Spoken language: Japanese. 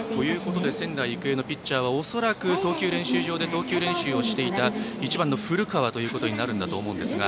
仙台育英のピッチャーは恐らく投球練習場で投球練習をしていた１番の古川ということになると思うんですが。